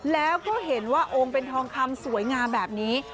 แล้วก็เห็นว่าองค์เป็นทองคำสวยงามแบบนี้